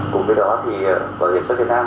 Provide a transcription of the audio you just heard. cùng với đó thì quý bảo hiểm thất nghiệp việt nam